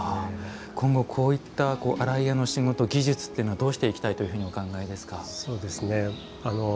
今後、こういった洗い屋の仕事技術というのはどうしていきたいというふうにお考えですか。